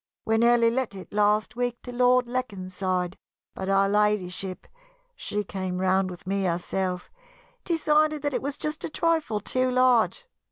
We nearly let it last week to Lord Leconside, but Her Ladyship she came round with me herself decided that it was just a trifle too large.